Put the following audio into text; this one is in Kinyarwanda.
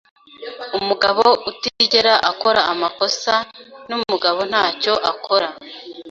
Umugabo utigera akora amakosa numugabo ntacyo akora.